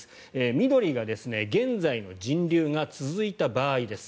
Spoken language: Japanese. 緑が現在の人流が続いた場合です。